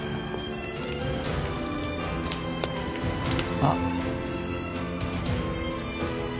あっ。